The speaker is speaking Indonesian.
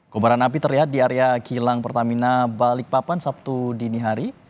kebaran api terlihat di area kilang pertamina balikpapan sabtu dinihari